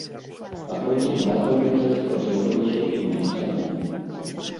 А потым назва гэтая спатрэбілася і мне самому.